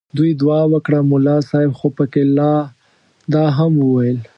دوی دعا وکړه ملا صاحب خو پکې لا دا هم وویل.